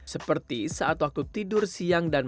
seperti saat waktu tiba anak itu tidak bisa bergabung dengan anak